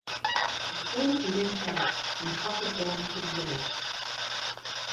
Then he went out, and trotted down the village.